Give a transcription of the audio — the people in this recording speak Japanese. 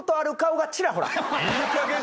いいかげんにしろ！